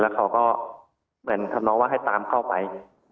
เขาก็เหมือนทำน้องว่าให้ตามเข้าไป